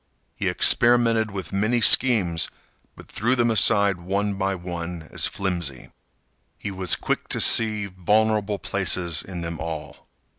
He experimented with many schemes, but threw them aside one by one as flimsy. He was quick to see vulnerable places in them all.